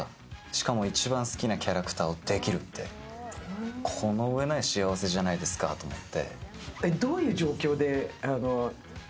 しかも一番好きなキャラクターをできるって、この上ない幸せじゃないですかと思って。